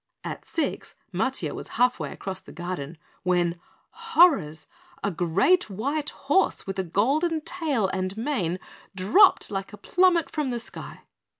At six, Matiah was half way across the garden, when horrors! A great white horse with a golden tail and mane dropped like a plummet from the sky.